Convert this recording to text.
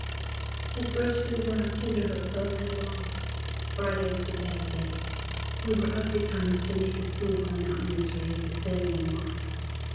At first we were on tenterhooks all day long. Friday was a bad day. We were up betimes to make a smoke on Mount Misery as a sailing mark.